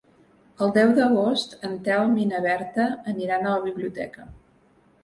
El deu d'agost en Telm i na Berta aniran a la biblioteca.